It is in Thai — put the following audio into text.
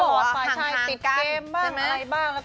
ฝ่ายชายติดเกมบ้างอะไรบ้าง